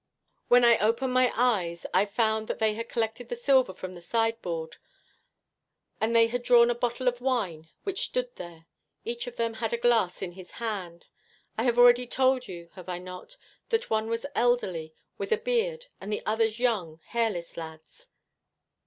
When I opened my eyes I found that they had collected the silver from the sideboard, and they had drawn a bottle of wine which stood there. Each of them had a glass in his hand. I have already told you, have I not, that one was elderly, with a beard, and the others young, hairless lads.